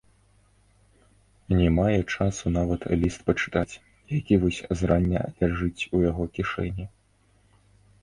Не мае часу нават ліст пачытаць, які вось зрання ляжыць у яго кішэні.